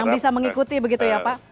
yang bisa mengikuti begitu ya pak